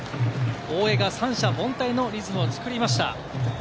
大江が三者凡退のリズムを作りました。